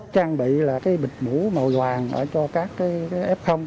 trang bị là cái bịch mũ màu vàng cho các f